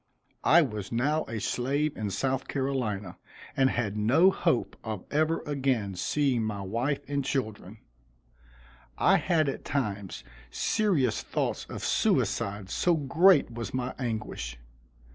I was now a slave in South Carolina, and had no hope of ever again seeing my wife and children. I had at times serious thoughts of suicide so great was my anguish.